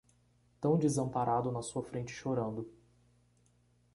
Tão desamparado na sua frente chorando